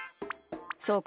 そうか。